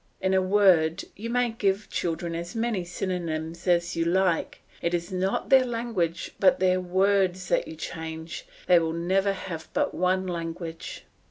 In a word, you may give children as many synonyms as you like; it is not their language but their words that you change; they will never have but one language.